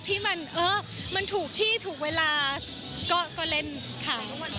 ที่มันถูกที่ถูกเวลาก็เล่นค่ะ